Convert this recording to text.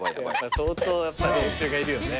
相当練習がいるよね。